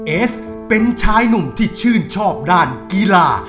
เอสเป็นชายหนุ่มที่ชื่นชอบด้านกีฬา